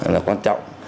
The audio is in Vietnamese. là quan trọng